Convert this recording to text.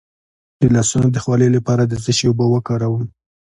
د لاسونو د خولې لپاره د څه شي اوبه وکاروم؟